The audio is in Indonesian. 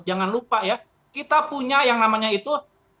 jangan lupa ya kita punya yang namanya itu